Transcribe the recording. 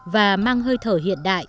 và mang hơi thở hiện đại